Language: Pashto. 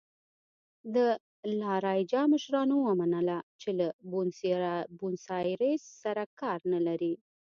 د لا رایجا مشرانو ومنله چې له بونیسایرس سره کار نه لري.